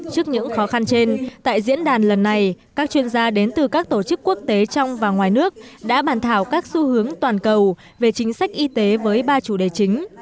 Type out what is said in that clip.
trước những khó khăn trên tại diễn đàn lần này các chuyên gia đến từ các tổ chức quốc tế trong và ngoài nước đã bàn thảo các xu hướng toàn cầu về chính sách y tế với ba chủ đề chính